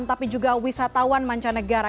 tapi juga wisatawan mancanegara